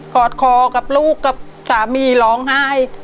อดคอกับลูกกับสามีร้องไห้